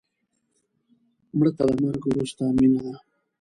مړه ته د مرګ وروسته مینه ده